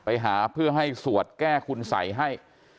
ไปหาเพื่อให้สวดแก้คุณสัยให้